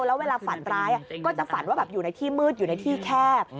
แล้วเวลาฝันร้ายก็จะฝันว่าแบบอยู่ในที่มืดอยู่ในที่แคบ